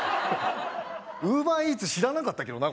ウーバーイーツ知らなかったけどな